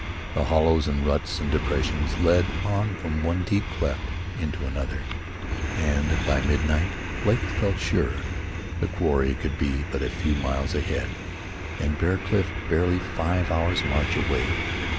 The hollows and ruts and depressions led on from one deep cleft into another, and by midnight Blake felt sure the quarry could be but a few miles ahead and Bear Cliff barely five hours' march away.